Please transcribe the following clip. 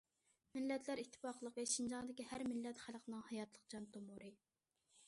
مىللەتلەر ئىتتىپاقلىقى شىنجاڭدىكى ھەر مىللەت خەلقنىڭ ھاياتلىق جان تومۇرى.